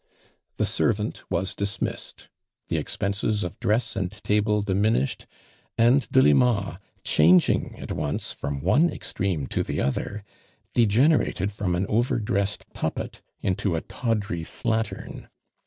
The servant was dismiss ed, the expenses of dress and table dimi nished, and Delimu, changing at once from one extreme to the other, degenerated from un over dressed puppet into a tawdry slattern.